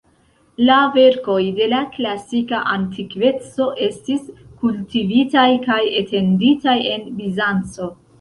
La verkoj de la klasika antikveco estis kultivitaj kaj etenditaj en Bizanco.